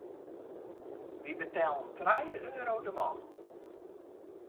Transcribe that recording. Wy betellen trije euro de man.